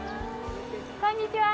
こんにちは。